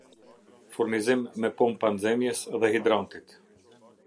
Furnizim me pompa nxemjes dhe hidrantit